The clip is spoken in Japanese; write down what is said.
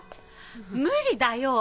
無理だよ。